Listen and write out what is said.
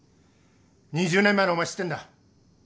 ２０年前のお前知ってんだ。